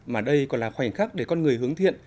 mà đây còn là khoảnh khắc để con người hướng thiện